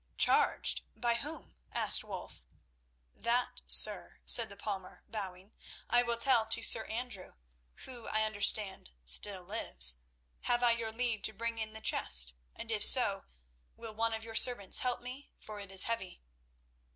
"Charged? By whom?" asked Wulf. "That, sir," said the palmer, bowing, "I will tell to Sir Andrew, who, I understand, still lives. Have I your leave to bring in the chest, and if so, will one of your servants help me, for it is heavy?"